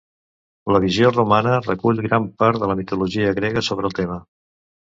La visió romana recull gran part de la mitologia grega sobre el tema.